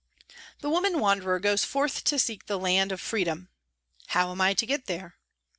The woman wanderer goes forth to seek the Land of Freedom ...".' How am 1 to get there